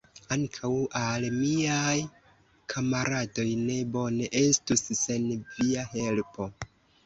Ankaŭ al miaj kamaradoj ne bone estus sen via helpo!